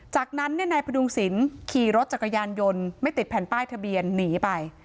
จากนั้นนายพดุงศิลป์ขี่รถจักรยานยนต์ไม่ติดแผ่นป้ายทะเบียนหนีไป